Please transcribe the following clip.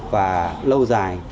và lâu dài